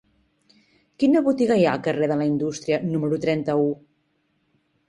Quina botiga hi ha al carrer de la Indústria número trenta-u?